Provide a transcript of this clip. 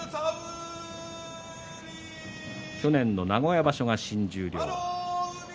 去年の名古屋場所が新十両。